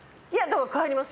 帰ります